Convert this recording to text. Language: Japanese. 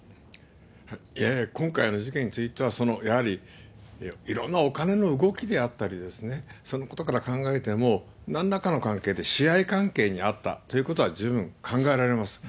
今回の事件については、そのやはり、いろんなお金の動きであったり、そのことから考えても、なんらかの関係で、支配関係にあったということは十分考えられます。